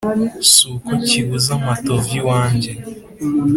Si uko kibuze amatovu iwanjye